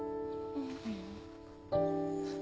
うん。